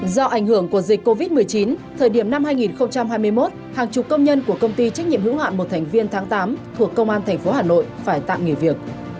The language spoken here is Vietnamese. do ảnh hưởng của dịch covid một mươi chín thời điểm năm hai nghìn hai mươi một hàng chục công nhân của công ty trách nhiệm hữu hạn một thành viên tháng tám thuộc công an tp hà nội phải tạm nghỉ việc